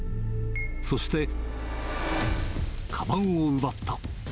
そして、かばんを奪った。